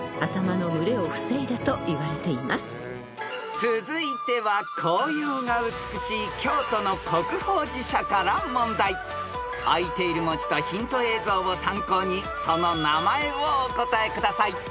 ［続いては紅葉が美しい京都の国宝寺社から問題］［あいている文字とヒント映像を参考にその名前をお答えください］